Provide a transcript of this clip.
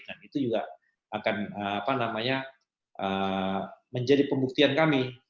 itu juga akan menjadi pembuktian kami